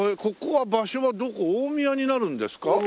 ここは場所はどこ大宮になるんですか？